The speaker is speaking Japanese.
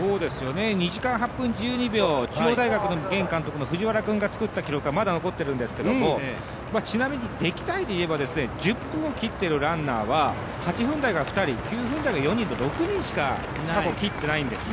２時間８分１２秒、藤原君が作った記録がまだ残ってるんですけど、ちなみに歴代でいえば１０分を切っているランナーは８分台が２人、９分台が２人と６人しか過去切ってないんですね。